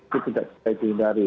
itu tidak bisa dihindari